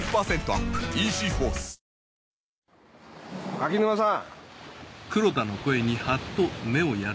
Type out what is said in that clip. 垣沼さん！